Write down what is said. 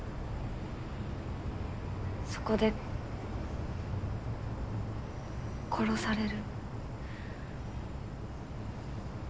そこで殺される。